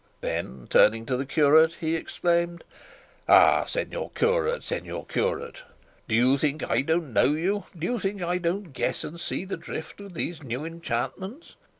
Then turning to the curate he exclaimed, "Ah, señor curate, señor curate! do you think I don't know you? Do you think I don't guess and see the drift of these new enchantments?